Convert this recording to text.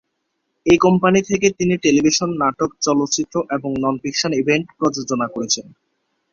এই কোম্পানি থেকে তিনি টেলিভিশন নাটক, চলচ্চিত্র এবং নন-ফিকশন ইভেন্ট প্রযোজনা করছেন।